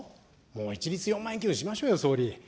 一律４万円給付しましょうよ、総理。